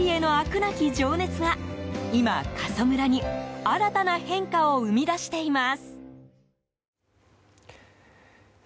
なき情熱が今、過疎村に新たな変化を生み出しています。